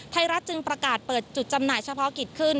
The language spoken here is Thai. รัฐจึงประกาศเปิดจุดจำหน่ายเฉพาะกิจขึ้น